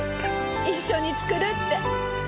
一緒に作るって。